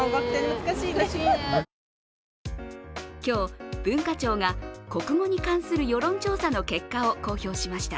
今日、文化庁が国語に関する世論調査の結果を公表しました。